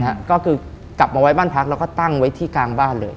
ก็คือกลับมาไว้บ้านพักแล้วก็ตั้งไว้ที่กลางบ้านเลย